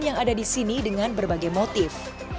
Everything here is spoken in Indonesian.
yang ada di sini dengan berbagai motif